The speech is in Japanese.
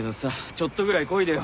ちょっとぐらいこいでよ。